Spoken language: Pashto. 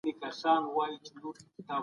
راټول سوي معلومات باید تجزیه سي.